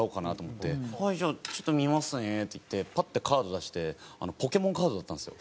「はいじゃあちょっと見ますね」って言ってパッてカード出してポケモンカードだったんですよ。